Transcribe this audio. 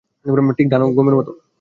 ঠিক ধান ও গমের মতো।